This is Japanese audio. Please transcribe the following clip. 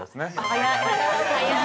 ◆早い。